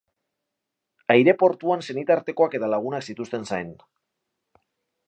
Aireportuan senitartekoak eta lagunak zituzten zain.